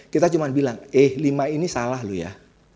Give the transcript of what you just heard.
kita cuma bilang eh lima ini salah loh ya